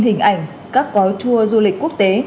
hình ảnh các gói tour du lịch quốc tế